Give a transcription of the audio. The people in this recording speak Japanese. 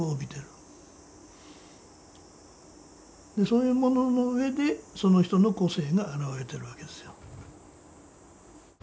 そういうものの上でその人の個性が現れてるわけですよ。